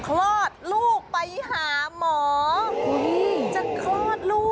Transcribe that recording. คลอดลูกไปหาหมอ